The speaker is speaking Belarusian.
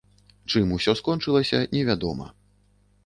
Чым усё скончылася, невядома.